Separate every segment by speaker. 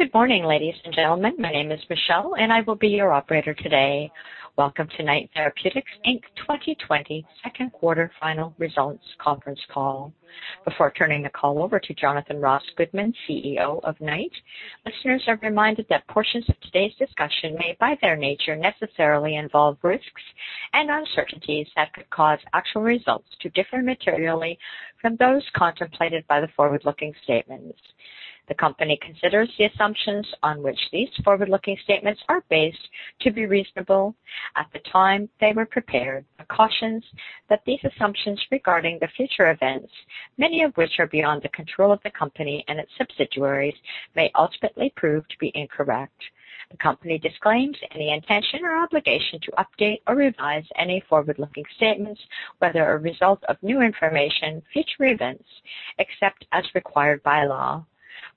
Speaker 1: Good morning, ladies and gentlemen. My name is Michelle, and I will be your operator today. Welcome to Knight Therapeutics Inc 2020 second quarter final results conference call. Before turning the call over to Jonathan Ross Goodman, CEO of Knight, listeners are reminded that portions of today's discussion may, by their nature, necessarily involve risks and uncertainties that could cause actual results to differ materially from those contemplated by the forward-looking statements. The company considers the assumptions on which these forward-looking statements are based to be reasonable at the time they were prepared but cautions that these assumptions regarding the future events, many of which are beyond the control of the company and its subsidiaries, may ultimately prove to be incorrect. The company disclaims any intention or obligation to update or revise any forward-looking statements, whether a result of new information, future events, except as required by law.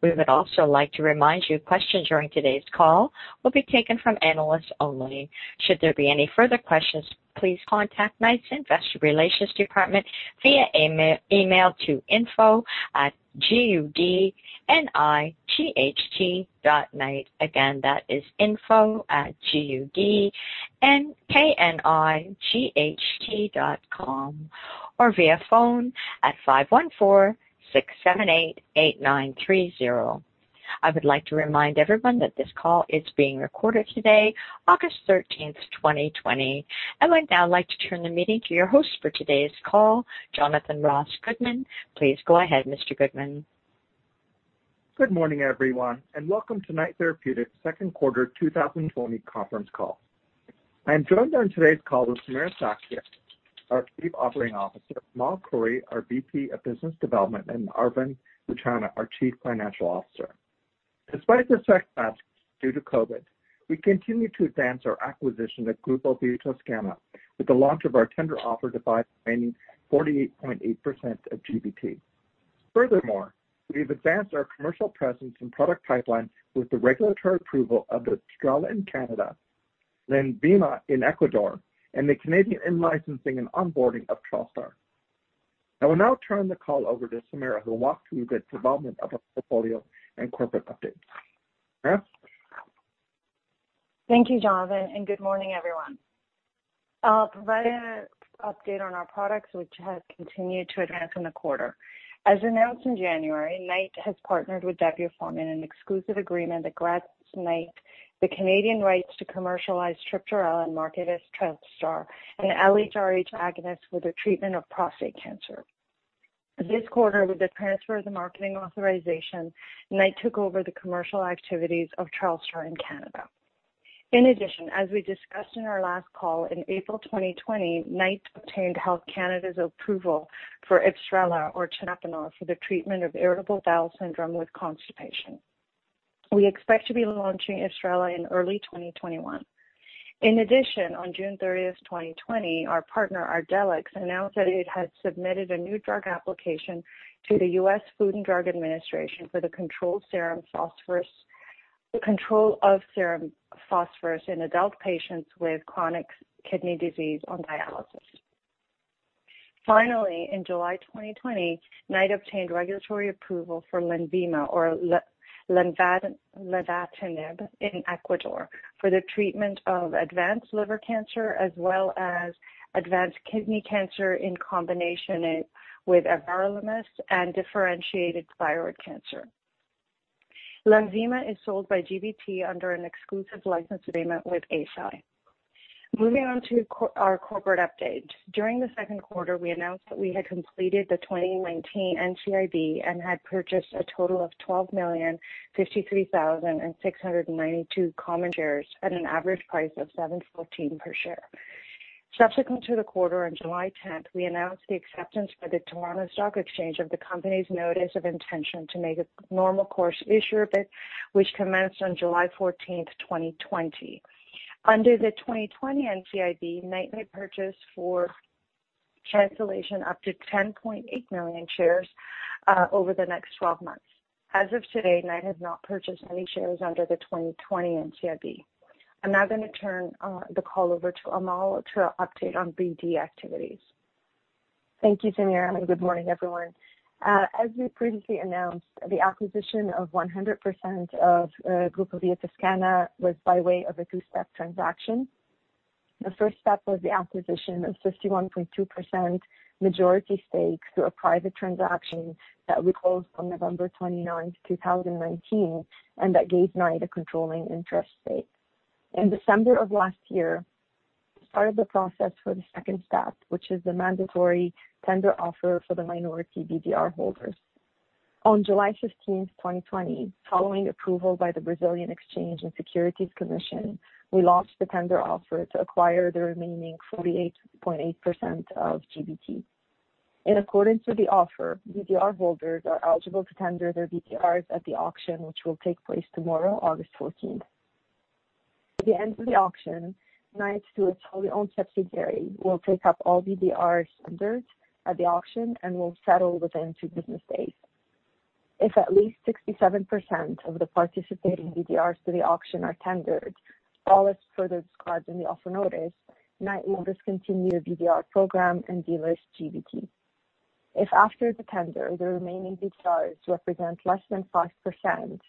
Speaker 1: We would also like to remind you questions during today's call will be taken from analysts only. Should there be any further questions, please contact Knight's Investor Relations department via email to info@knighttx.com. Again, that is info@knighttx.com or via phone at 514-678-8930. I would like to remind everyone that this call is being recorded today, August 13th, 2020. I would now like to turn the meeting to your host for today's call, Jonathan Ross Goodman. Please go ahead, Mr. Goodman.
Speaker 2: Good morning, everyone, welcome to Knight Therapeutics second quarter 2020 conference call. I am joined on today's call with Samira Sakhia, our Chief Operating Officer, Amal Khouri, our VP of Business Development, and Arvind Utchanah, our Chief Financial Officer. Despite the setbacks due to COVID-19, we continue to advance our acquisition of Grupo Biotoscana with the launch of our tender offer to buy the remaining 48.8% of GBT. We've advanced our commercial presence and product pipeline with the regulatory approval of IBSRELA in Canada, Lenvima in Ecuador, and the Canadian in-licensing and onboarding of Trelstar. I will now turn the call over to Samira, who will walk through the development of our portfolio and corporate updates. Samira?
Speaker 3: Thank you, Jonathan. Good morning, everyone. I'll provide an update on our products, which has continued to advance in the quarter. As announced in January, Knight has partnered with Daiichi Sankyo in an exclusive agreement that grants Knight the Canadian rights to commercialize triptorelin, marketed as Trelstar, an LHRH agonist for the treatment of prostate cancer. This quarter, with the transfer of the marketing authorization, Knight took over the commercial activities of Trelstar in Canada. In addition, as we discussed in our last call, in April 2020, Knight obtained Health Canada's approval for IBSRELA or tenapanor for the treatment of irritable bowel syndrome with constipation. We expect to be launching IBSRELA in early 2021. In addition, on June 30th, 2020, our partner, Ardelyx, announced that it had submitted a new drug application to the U.S. Food and Drug Administration for the control of serum phosphorus in adult patients with chronic kidney disease on dialysis. In July 2020, Knight obtained regulatory approval for Lenvima or lenvatinib in Ecuador for the treatment of advanced liver cancer, as well as advanced kidney cancer in combination with everolimus and differentiated thyroid cancer. Lenvima is sold by GBT under an exclusive license agreement with Eisai. Moving on to our corporate update. During the second quarter, we announced that we had completed the 2019 NCIB and had purchased a total of 12,053,692 common shares at an an average price of 7.14 per share. Subsequent to the quarter on July 10th, we announced the acceptance by the Toronto Stock Exchange of the company's notice of intention to make a normal course issuer bid, which commenced on July 14th, 2020. Under the 2020 NCIB, Knight may purchase for cancellation up to 10.8 million shares over the next 12 months. As of today, Knight has not purchased any shares under the 2020 NCIB. I'm now going to turn the call over to Amal to update on BD activities.
Speaker 4: Thank you, Samira, and good morning, everyone. As we previously announced, the acquisition of 100% of Grupo Biotoscana was by way of a two-step transaction. The first step was the acquisition of 51.2% majority stake through a private transaction that we closed on November 29th, 2019, and that gave Knight a controlling interest stake. In December of last year, we started the process for the second step, which is the mandatory tender offer for the minority BDR holders. On July 15th, 2020, following approval by the Brazilian Securities and Exchange Commission, we launched the tender offer to acquire the remaining 48.8% of GBT. In accordance with the offer, BDR holders are eligible to tender their BDRs at the auction, which will take place tomorrow, August 14th. At the end of the auction, Knight, through its wholly owned subsidiary, will take up all BDRs tendered at the auction and will settle within two business days. If at least 67% of the participating BDRs to the auction are tendered, all as further described in the offer notice, Knight will discontinue the BDR program and delist GBT. If after the tender, the remaining BDRs represent less than 5%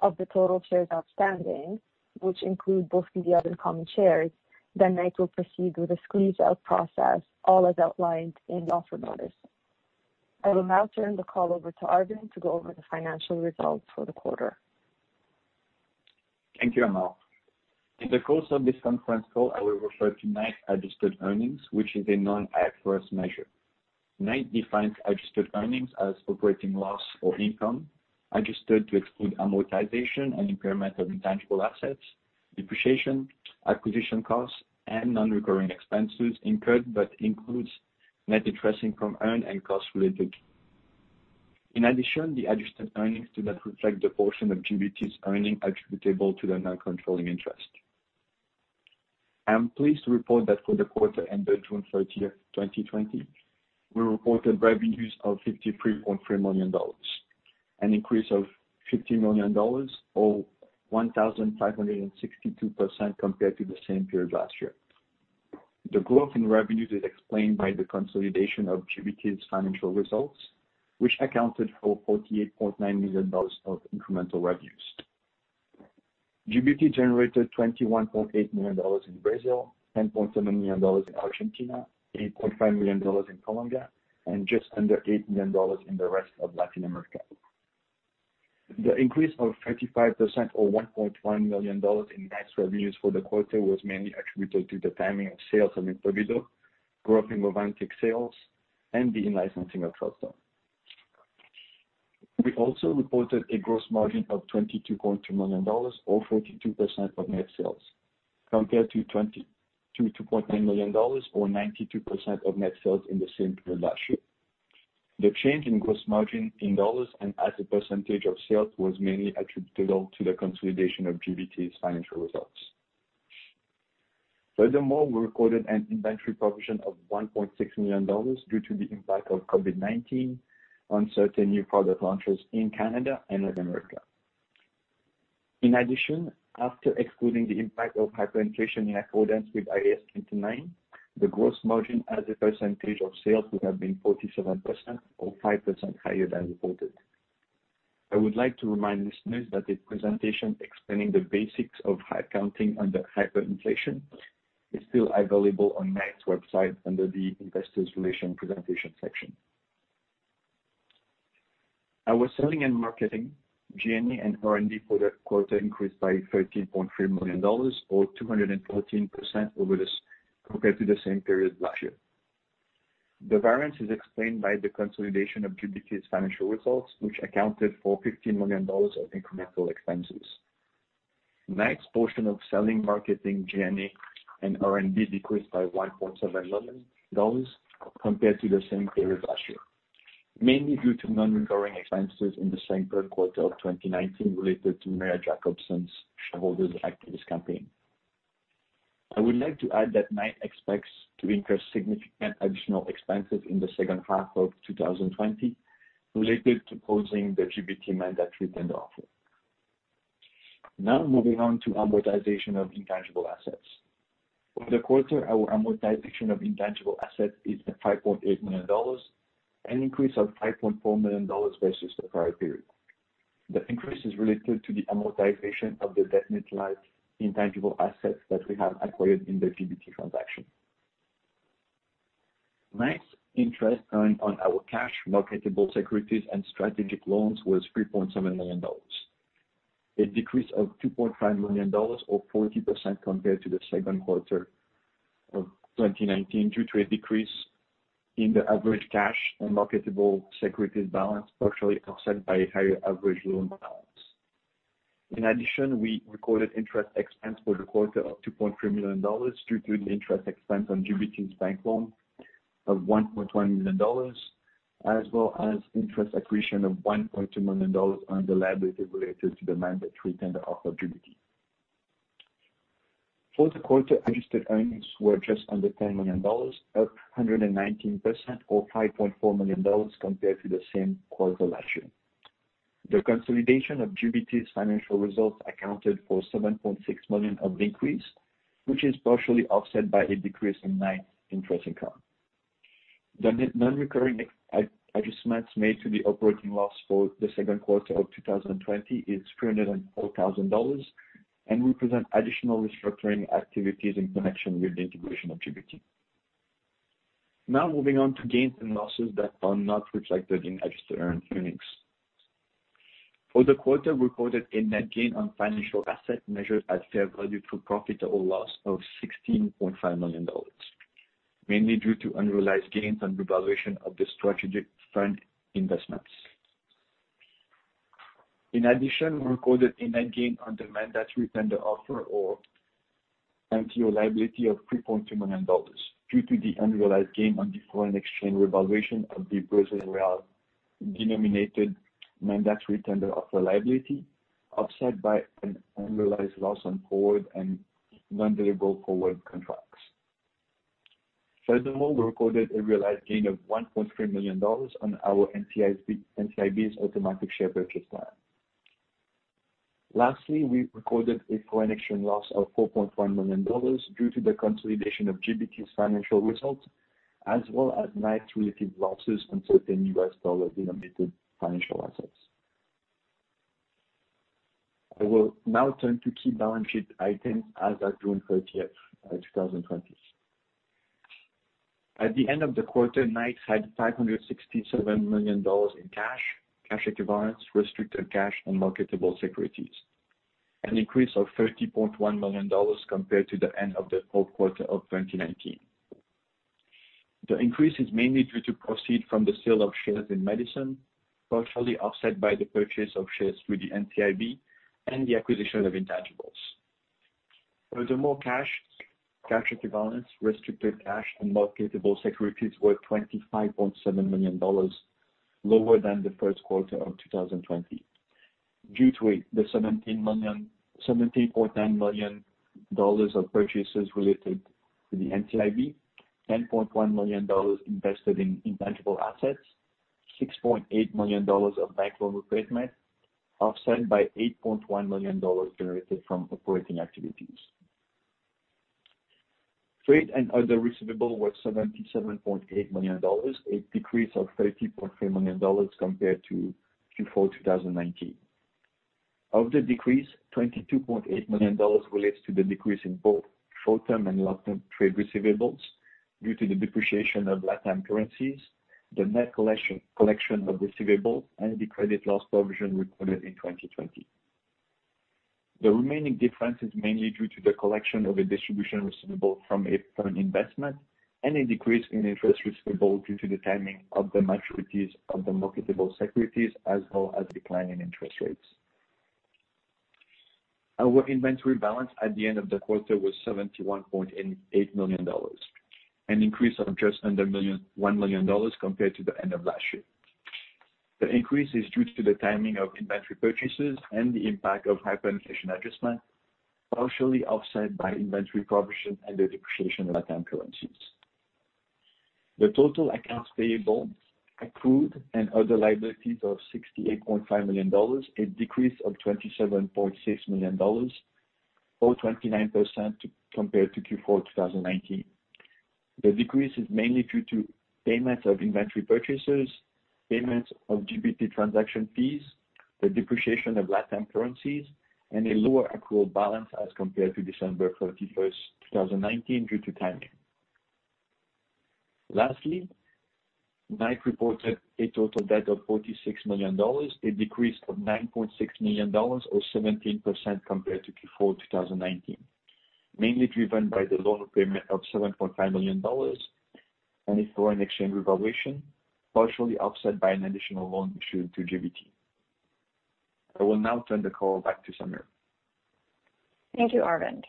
Speaker 4: of the total shares outstanding, which include both BDRs and common shares, then Knight will proceed with a squeeze-out process, all as outlined in the offer notice. I will now turn the call over to Arvind to go over the financial results for the quarter.
Speaker 5: Thank you, Amal. In the course of this conference call, I will refer to Knight adjusted earnings, which is a non-IFRS measure. Knight defines adjusted earnings as operating loss or income, adjusted to exclude amortization and impairment of intangible assets, depreciation, acquisition costs, and non-recurring expenses incurred, but includes net interest income earned and costs related. In addition, the adjusted earnings do not reflect the portion of GBT's earning attributable to the non-controlling interest. I am pleased to report that for the quarter ended June 30th, 2020, we reported revenues of 53.3 million dollars, an increase of 50 million dollars or 1,562% compared to the same period last year. The growth in revenues is explained by the consolidation of GBT's financial results, which accounted for 48.9 million dollars of incremental revenues. GBT generated 21.8 million dollars in Brazil, 10.7 million dollars in Argentina, 8.5 million dollars in Colombia, and just under 8 million dollars in the rest of Latin America. The increase of 35% or 1.1 million dollars in Knight's revenues for the quarter was mainly attributable to the timing of sales from Impavido, growth in Movantik sales, and the in-licensing of Trelstar. We also reported a gross margin of 22.2 million dollars or 42% of net sales, compared to 22.9 million dollars or 92% of net sales in the same period last year. The change in gross margin in CAD and as a percentage of sales was mainly attributable to the consolidation of GBT's financial results. Furthermore, we recorded an inventory provision of 1.6 million dollars due to the impact of COVID-19 on certain new product launches in Canada and Latin America. In addition, after excluding the impact of hyperinflation in accordance with IAS 29, the gross margin as a percentage of sales would have been 47% or 5% higher than reported. I would like to remind listeners that a presentation explaining the basics of accounting under hyperinflation is still available on Knight's website under the investors relation presentation section. Our selling and marketing, G&A, and R&D for the quarter increased by 13.3 million dollars or 214% compared to the same period last year. The variance is explained by the consolidation of GBT's financial results, which accounted for 15 million dollars of incremental expenses. Knight's portion of selling, marketing, G&A, and R&D decreased by 1.7 million dollars compared to the same period last year, mainly due to non-recurring expenses in the same third quarter of 2019 related to Medison's shareholders activist campaign. I would like to add that Knight expects to incur significant additional expenses in the second half of 2020 related to closing the GBT mandatory tender offer. Moving on to amortization of intangible assets. Over the quarter, our amortization of intangible assets is at 5.8 million dollars, an increase of 5.4 million dollars versus the prior period. The increase is related to the amortization of the definite life intangible assets that we have acquired in the GBT transaction. Knight's interest earned on our cash marketable securities and strategic loans was 3.7 million dollars, a decrease of 2.5 million dollars or 40% compared to the second quarter of 2019 due to a decrease in the average cash and marketable securities balance, partially offset by a higher average loan balance. In addition, we recorded interest expense for the quarter of 2.3 million dollars due to the interest expense on GBT's bank loan of 1.1 million dollars, as well as interest accretion of 1.2 million dollars on the liability related to the mandatory tender offer of GBT. For the quarter, adjusted earnings were just under 10 million dollars, up 119% or 5.4 million dollars compared to the same quarter last year. The consolidation of GBT's financial results accounted for 7.6 million of increase, which is partially offset by a decrease in Knight interest income. The non-recurring adjustments made to the operating loss for the second quarter of 2020 is 304,000 dollars and represent additional restructuring activities in connection with the integration of GBT. Moving on to gains and losses that are not reflected in adjusted earnings. For the quarter, we recorded a net gain on financial asset measured at fair value through profit or loss of 16.5 million dollars, mainly due to unrealized gains and revaluation of the strategic fund investments. In addition, we recorded a net gain on the mandatory tender offer or MTO liability of 3.2 million dollars due to the unrealized gain on the foreign exchange revaluation of the Brazil real denominated mandatory tender offer liability, offset by an unrealized loss on forward and non-deliverable forward contracts. Furthermore, we recorded a realized gain of 1.3 million dollars on our NCIB's automatic share purchase plan. Lastly, we recorded a foreign exchange loss of 4.5 million dollars due to the consolidation of GBT's financial results, as well as Knight's related losses on certain US dollar-denominated financial assets. I will now turn to key balance sheet items as at June 30th, 2020. At the end of the quarter, Knight had 567 million dollars in cash equivalents, restricted cash, and marketable securities, an increase of 30.1 million dollars compared to the end of the fourth quarter of 2019. The increase is mainly due to proceed from the sale of shares in Medison, partially offset by the purchase of shares through the NCIB and the acquisition of intangibles. Furthermore, cash equivalents, restricted cash, and marketable securities were 25.7 million dollars lower than the first quarter of 2020 due to the 17.9 million dollars of purchases related to the NCIB, 10.1 million dollars invested in intangible assets, 6.8 million dollars of bank loan repayment, offset by 8.1 million dollars generated from operating activities. Trade and other receivables were CAD 77.8 million, a decrease of CAD 30.3 million compared to Q4 2019. Of the decrease, CAD 22.8 million relates to the decrease in both short-term and long-term trade receivables due to the depreciation of LATAM currencies, the net collection of receivables, and the credit loss provision recorded in 2020. The remaining difference is mainly due to the collection of a distribution receivable from an investment and a decrease in interest receivable due to the timing of the maturities of the marketable securities, as well as a decline in interest rates. Our inventory balance at the end of the quarter was 71.8 million dollars, an increase of just under 1 million dollars compared to the end of last year. The increase is due to the timing of inventory purchases and the impact of hyperinflation adjustment, partially offset by inventory provision and the depreciation of LATAM currencies. The total accounts payable, accrued, and other liabilities of 68.5 million dollars, a decrease of 27.6 million dollars or 29% compared to Q4 2019. The decrease is mainly due to payments of inventory purchases, payments of GBT transaction fees, the depreciation of LATAM currencies, and a lower accrued balance as compared to December 31st, 2019, due to timing. Lastly, Knight reported a total debt of 46 million dollars, a decrease of 9.6 million dollars or 17% compared to Q4 2019, mainly driven by the loan payment of 7.5 million dollars and a foreign exchange revaluation, partially offset by an additional loan issued to GBT. I will now turn the call back to Samira.
Speaker 3: Thank you, Arvind.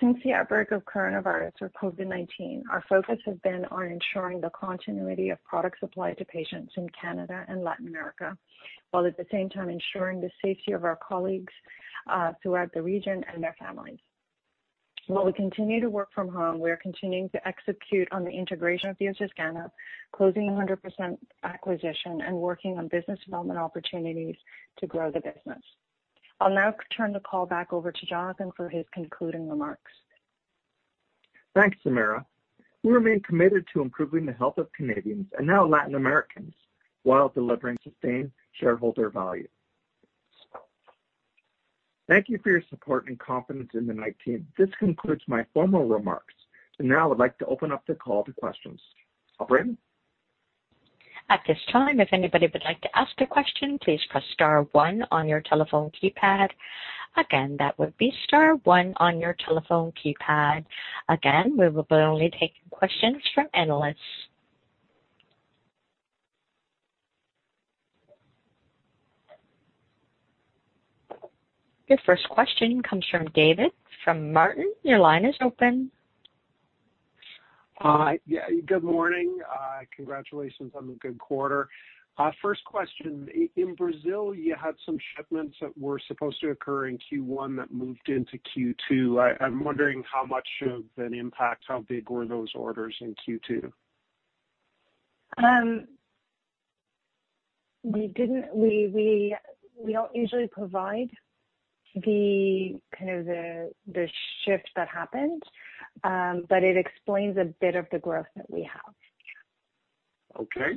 Speaker 3: Since the outbreak of coronavirus or COVID-19, our focus has been on ensuring the continuity of product supply to patients in Canada and Latin America, while at the same time ensuring the safety of our colleagues throughout the region and their families. While we continue to work from home, we are continuing to execute on the integration of the Biotoscana, closing the 100% acquisition and working on business development opportunities to grow the business. I'll now turn the call back over to Jonathan for his concluding remarks.
Speaker 2: Thanks, Samira. We remain committed to improving the health of Canadians, and now Latin Americans, while delivering sustained shareholder value. Thank you for your support and confidence in the Knight team. This concludes my formal remarks, and now I'd like to open up the call to questions. Operator?
Speaker 1: At this time, if anybody would like to ask a question, please press star one on your telephone keypad. Again, that would be star one on your telephone keypad. Again, we will be only taking questions from analysts. Your first question comes from David from Martin. Your line is open.
Speaker 6: Hi. Yeah, good morning. Congratulations on the good quarter. First question, in Brazil, you had some shipments that were supposed to occur in Q1 that moved into Q2. I'm wondering how much of an impact, how big were those orders in Q2?
Speaker 3: We don't usually provide the shift that happened, but it explains a bit of the growth that we have.
Speaker 6: Okay.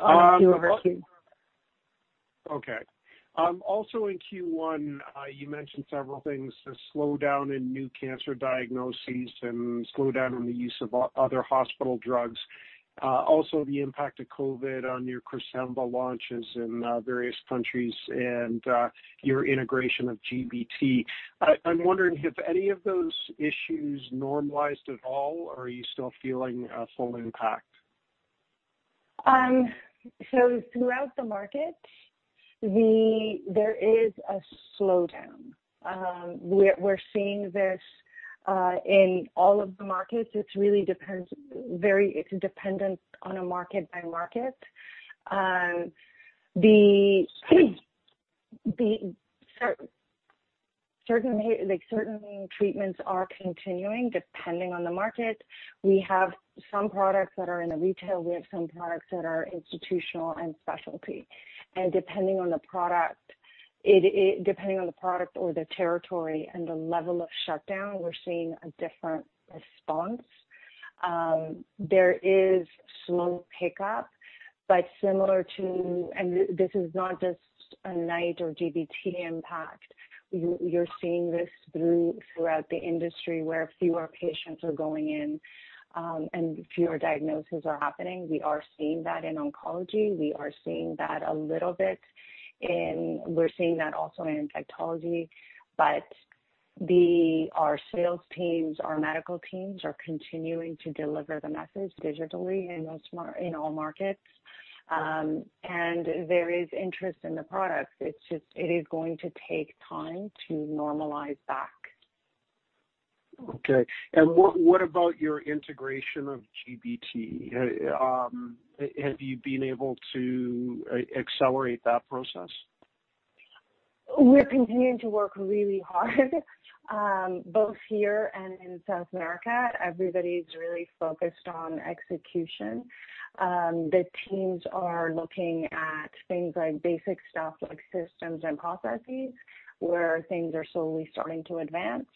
Speaker 3: Of QoQ.
Speaker 6: Okay. Also in Q1, you mentioned several things, the slowdown in new cancer diagnoses and slowdown in the use of other hospital drugs. Also, the impact of COVID on your CRYSVITA launches in various countries and your integration of GBT. I'm wondering have any of those issues normalized at all or are you still feeling a full impact?
Speaker 3: Throughout the market, there is a slowdown. We're seeing this in all of the markets. It's dependent on a market by market. Sorry. Certain treatments are continuing depending on the market. We have some products that are in the retail. We have some products that are institutional and specialty. Depending on the product or the territory and the level of shutdown, we're seeing a different response. There is slow pickup, but similar to, and this is not just a Knight or GBT impact. You're seeing this throughout the industry where fewer patients are going in, and fewer diagnoses are happening. We are seeing that in oncology. We are seeing that a little bit in, we're seeing that also in infectology. Our sales teams, our medical teams are continuing to deliver the message digitally in all markets. There is interest in the product. It is going to take time to normalize back.
Speaker 6: Okay. What about your integration of GBT? Have you been able to accelerate that process?
Speaker 3: We're continuing to work really hard both here and in South America. Everybody's really focused on execution. The teams are looking at things like basic stuff like systems and processes, where things are slowly starting to advance.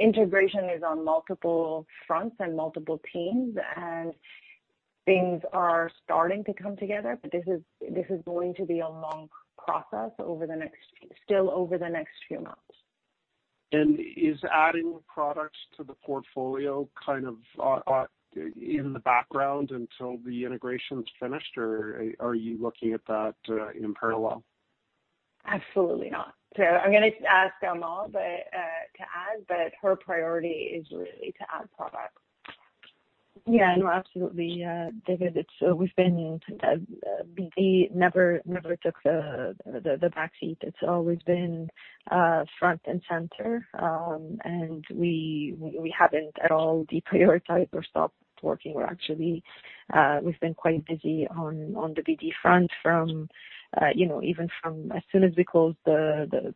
Speaker 3: Integration is on multiple fronts and multiple teams, and things are starting to come together. This is going to be a long process still over the next few months.
Speaker 6: Is adding products to the portfolio kind of in the background until the integration's finished, or are you looking at that in parallel?
Speaker 3: Absolutely not. I'm going to ask Amal to add, but her priority is really to add products.
Speaker 4: Absolutely, David. BD never took the back seat. It's always been front and center. We haven't at all deprioritized or stopped working. We've been quite busy on the BD front even from as soon as we closed the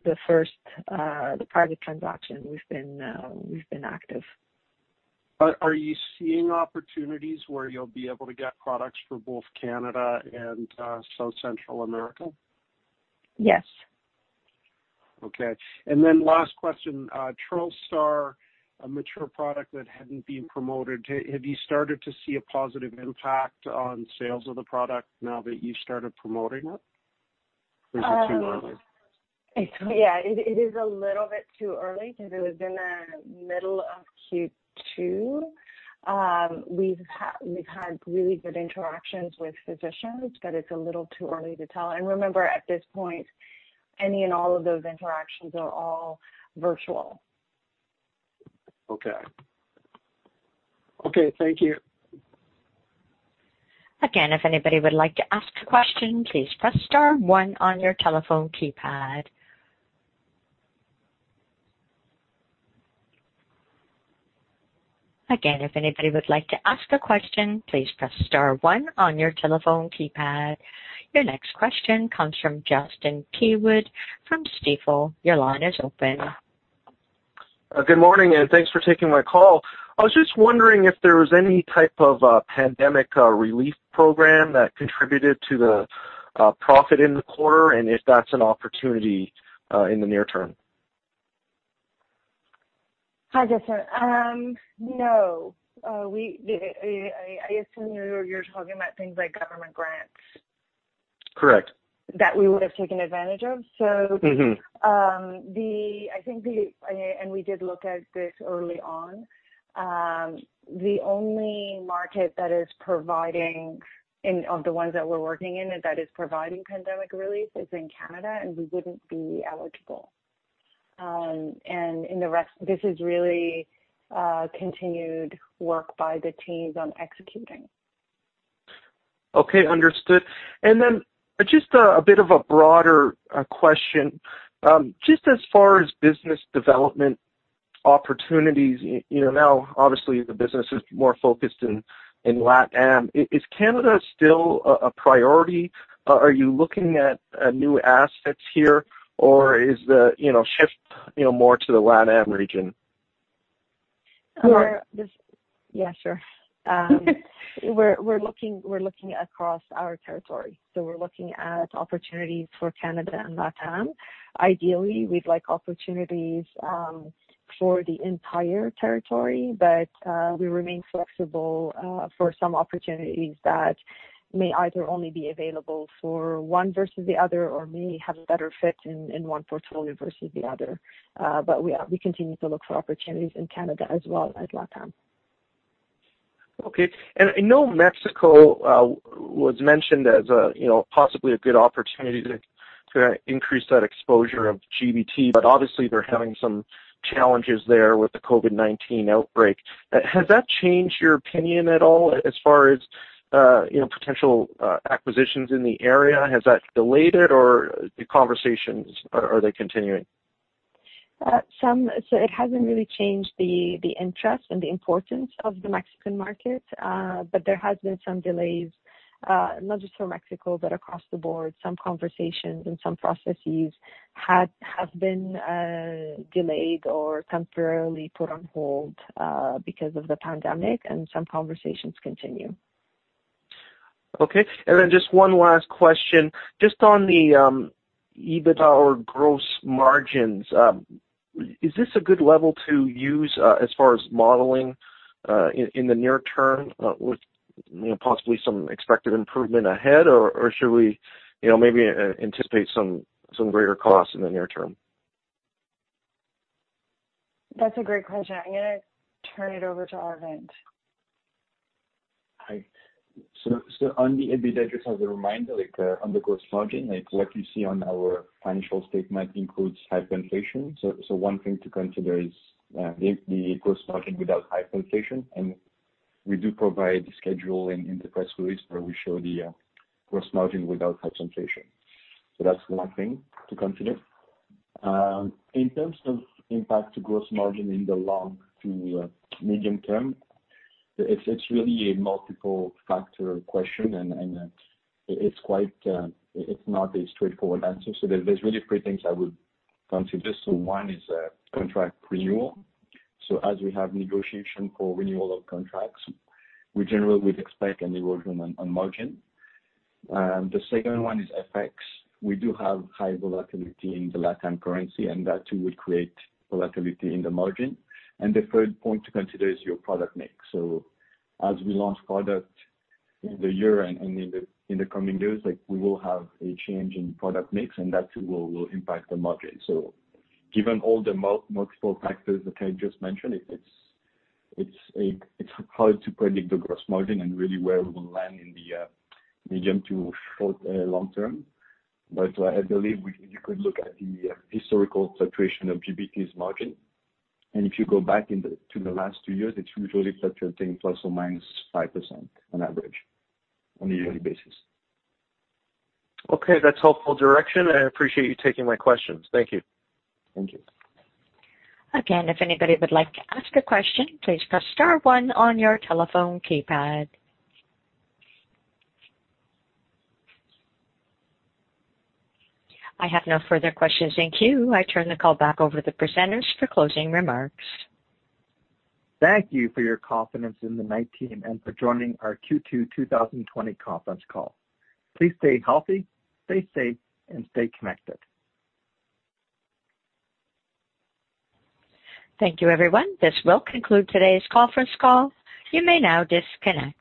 Speaker 4: private transaction. We've been active.
Speaker 6: Are you seeing opportunities where you'll be able to get products for both Canada and South Central America?
Speaker 3: Yes.
Speaker 6: Okay. Last question. Trelstar, a mature product that hadn't been promoted. Have you started to see a positive impact on sales of the product now that you started promoting it? Or is it too early?
Speaker 3: Yeah. It is a little bit too early because it was in the middle of Q2. We've had really good interactions with physicians, but it's a little too early to tell. Remember, at this point, any and all of those interactions are all virtual.
Speaker 6: Okay. Okay. Thank you.
Speaker 1: Again, if anybody would like to ask a question, please press star one on your telephone keypad. Your next question comes from Justin Keywood from Stifel. Your line is open.
Speaker 7: Good morning, thanks for taking my call. I was just wondering if there was any type of pandemic relief program that contributed to the profit in the quarter and if that's an opportunity in the near term.
Speaker 3: Hi, Justin. No. I assume you're talking about things like government grants.
Speaker 7: Correct
Speaker 3: that we would have taken advantage of. We did look at this early on. The only market that is providing, of the ones that we're working in, that is providing pandemic relief is in Canada, and we wouldn't be eligible. In the rest, this is really continued work by the teams on executing.
Speaker 7: Okay. Understood. Then just a bit of a broader question. Just as far as business development opportunities, now obviously the business is more focused in LATAM. Is Canada still a priority? Are you looking at new assets here or is the shift more to the LATAM region?
Speaker 3: We're-
Speaker 4: Yeah, sure. We're looking across our territory. We're looking at opportunities for Canada and LATAM. Ideally, we'd like opportunities for the entire territory, but we remain flexible for some opportunities that may either only be available for one versus the other or may have a better fit in one portfolio versus the other. We continue to look for opportunities in Canada as well as LATAM.
Speaker 7: Okay. I know Mexico was mentioned as possibly a good opportunity to increase that exposure of GBT, but obviously they're having some challenges there with the COVID-19 outbreak. Has that changed your opinion at all as far as potential acquisitions in the area? Has that delayed it or the conversations, are they continuing?
Speaker 4: It hasn't really changed the interest and the importance of the Mexican market. There has been some delays, not just from Mexico, but across the board. Some conversations and some processes have been delayed or temporarily put on hold because of the pandemic, and some conversations continue.
Speaker 7: Okay. Just one last question. Just on the EBITDA or gross margins, is this a good level to use as far as modeling in the near term with possibly some expected improvement ahead, or should we maybe anticipate some greater costs in the near term?
Speaker 3: That's a great question. I'm going to turn it over to Arvind.
Speaker 5: Hi. On the EBITDA, just as a reminder, on the gross margin, what you see on our financial statement includes hyperinflation. One thing to consider is the gross margin without hyperinflation, and we do provide a schedule in the press release where we show the gross margin without hyperinflation. That's one thing to consider. In terms of impact to gross margin in the long to medium term, it's really a multiple factor question and it's not a straightforward answer. There's really three things I would consider. One is contract renewal. As we have negotiation for renewal of contracts, we generally would expect an erosion on margin. The second one is FX. We do have high volatility in the Latin currency, and that too, would create volatility in the margin. The third point to consider is your product mix. As we launch product in the year and in the coming years, we will have a change in product mix, and that too, will impact the margin. Given all the multiple factors that I just mentioned, it's hard to predict the gross margin and really where we will land in the medium to short long term. I believe you could look at the historical fluctuation of GBT's margin. If you go back to the last two years, it's usually fluctuating plus or minus 5% on average on a yearly basis.
Speaker 7: Okay, that's helpful direction. I appreciate you taking my questions. Thank you.
Speaker 5: Thank you.
Speaker 1: Again, if anybody would like to ask a question, please press star one on your telephone keypad. I have no further questions in queue. I turn the call back over to the presenters for closing remarks.
Speaker 2: Thank you for your confidence in the Knight team and for joining our Q2 2020 conference call. Please stay healthy, stay safe, and stay connected.
Speaker 1: Thank you, everyone. This will conclude today's conference call. You may now disconnect.